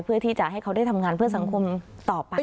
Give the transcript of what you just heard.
เพื่อที่จะให้เขาได้ทำงานเพื่อสังคมต่อไป